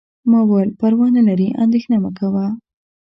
ما وویل: پروا نه لري، اندیښنه مه کوه.